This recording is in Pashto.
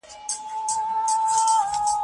سوځېدلي به وي څانګي د ګل نور تخمونه هم سته